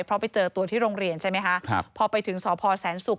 เพราะไปเจอตัวที่โรงเรียนใช่ไหมคะครับพอไปถึงสพแสนศุกร์